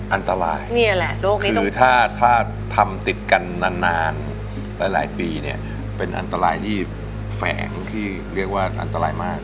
อันตรายคือถ้าทำติดกันนานหลายปีเนี่ยเป็นอันตรายที่แฝงที่เรียกว่าอันตรายมาก